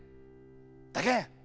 だけん